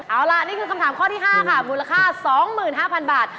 เอาล่ะนี่คือคำถามข้อที่๕ค่ะมูลค่า๒๕๐๐๐บาท